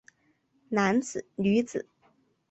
男子女子